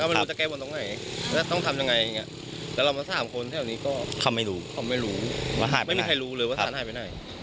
มีความเชื่อกับศาลที่ยังไงแล้วมีความสุขอะไรมาบนบ้านท่าน